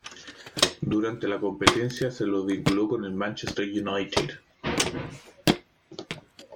Durante la competencia se lo vinculó con el Manchester United.